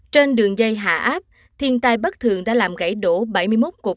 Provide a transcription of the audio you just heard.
trên đường dây hạ áp thiên tai bất thường đã làm gãy đổ bảy mươi một cột